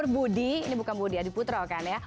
budi ini bukan budi ya diputrokan ya